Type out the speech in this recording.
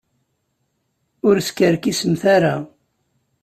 Ur skerkisemt ara.